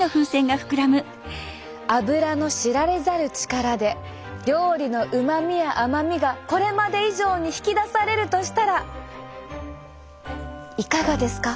アブラの知られざる力で料理の旨味や甘みがこれまで以上に引き出されるとしたらいかがですか？